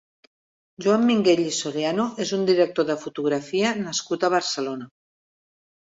Joan Minguell i Soriano és un director de fotografia nascut a Barcelona.